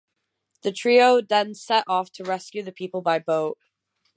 The trio then set off to rescue the people by boat.